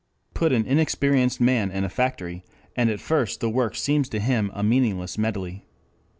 Put an inexperienced man in a factory, and at first the work seems to him a meaningless medley.